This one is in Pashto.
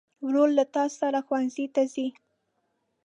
ورور له تا سره ښوونځي ته ځي.